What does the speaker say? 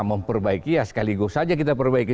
memperbaiki ya sekaligus saja kita perbaiki